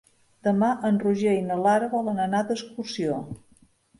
Demà en Roger i na Lara volen anar d'excursió.